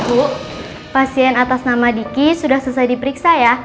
bu pasien atas nama diki sudah selesai diperiksa ya